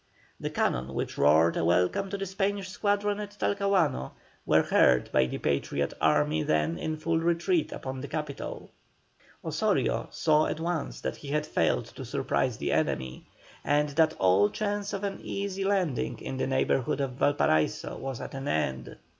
The cannon which roared a welcome to the Spanish squadron at Talcahuano, were heard by the Patriot army then in full retreat upon the capital. Osorio saw at once that he had failed to surprise the enemy, and that all chance of an easy landing in the neighbourhood of Valparaiso was at an end.